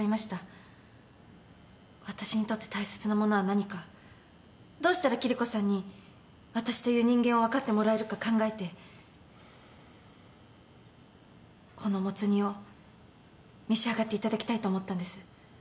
私にとって大切なものは何かどうしたらキリコさんに私という人間を分かってもらえるか考えてこのもつ煮を召し上がっていただきたいと思ったんです。